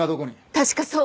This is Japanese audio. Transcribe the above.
確かそう！